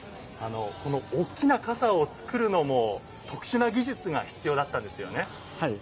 大きな傘を作るのも特殊な技術が必要だったんですよね。